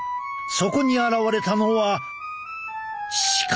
そこに現れたのは鹿だ！